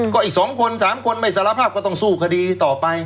ก็อีก๒คน๓คนไม่สารภาพก็ต้องสู้คดีต่อไป